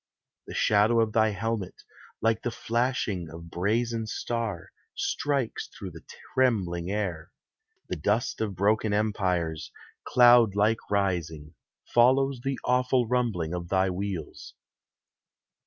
The shadow of thy helmet, like the flashing Of brazen star, strikes through the trembling air. The dust of broken empires, cloud like rising, Follows the awful rumbling of thy wheels.